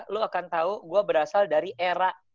lo akan tahu gue berasal dari era